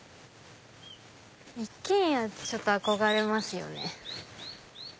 一軒家ちょっと憧れますよね。